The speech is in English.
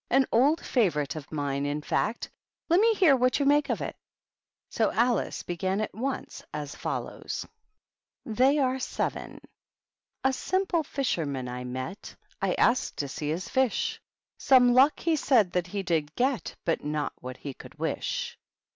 " An old favorite of mine, in fact. Let me hear what you make of it." So Alice began at once, as follows: 188 THE BISHOPS. " THEY ARE SEVEN. A simple fisherman I metj I asked to see his fish ; Some luck he said that he did get^ But not what he could wish.